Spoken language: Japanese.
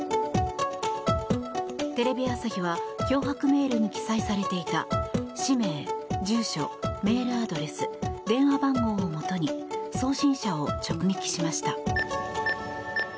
テレビ朝日は脅迫メールに記載されていた氏名、住所、メールアドレス電話番号をもとに送信者を直撃しました。